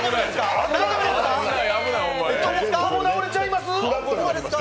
共倒れちゃいます？